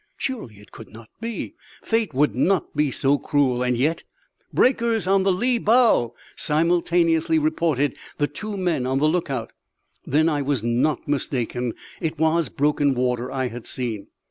Surely it could not be fate would not be so cruel and yet "Breakers on the lee bow!" simultaneously reported the two men on the lookout. Then I was not mistaken; it was broken water I had seen.